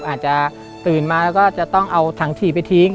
อาจจะตื่นมาแล้วก็จะต้องเอาถังถี่ไปทิ้ง